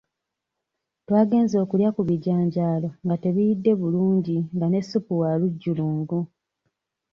Twagenze okulya ku bijanjaalo nga tebiyidde bulungi nga ne ssupu wa lujjulungu.